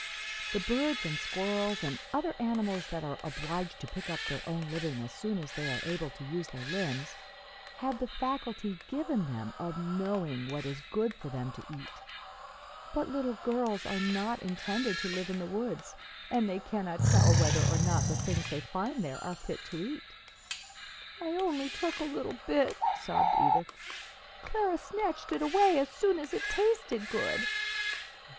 The birds and squirrels and other animals that are obliged to pick up their own living as soon as they are able to use their limbs have the faculty given them of knowing what is good for them to eat, but little girls are not intended to live in the woods, and they cannot tell whether or not the things they find there are fit to eat." "I took only a little bit," sobbed Edith; "Clara snatched it away as soon as it tasted good."